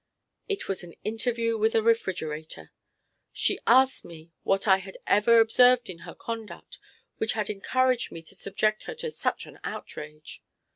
It was an interview with a refrigerator. She asked me what I had ever observed in her conduct which had encouraged me to subject her to such an outrage.